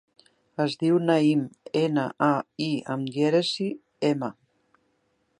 Es diu Naïm: ena, a, i amb dièresi, ema.